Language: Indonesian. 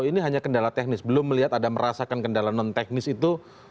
ini hanya kendala teknis belum melihat ada merasakan kendala non teknis itu